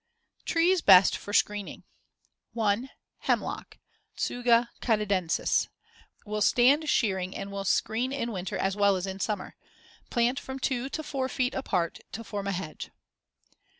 TREES BEST FOR SCREENING 1. Hemlock (Tsuga canadensis) Will stand shearing and will screen in winter as well as in summer. Plant from 2 to 4 feet apart to form a hedge.